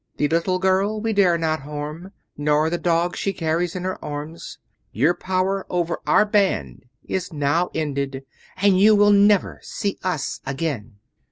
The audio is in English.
The little girl we dare not harm, nor the dog she carries in her arms. Your power over our band is now ended, and you will never see us again."